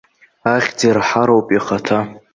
Ахьӡ ирҳароуп ихаҭа.